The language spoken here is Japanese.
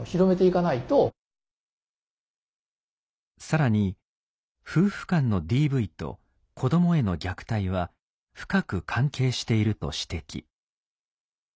更に夫婦間のＤＶと子どもへの虐待は深く関係していると指摘。